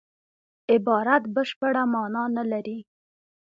عبارت بشپړه مانا نه لري.